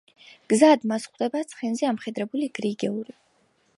გზად მას ხვდება ცხენზე ამხედრებული გრიგორი.